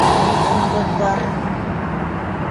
ЙОНДОҘҘАР